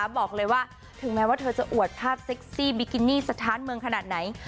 บอกเลยว่าถึงแม้ว่าเธอจะอวดภาพเซ็กซี่บิกินี่สถานเมืองขนาดไหน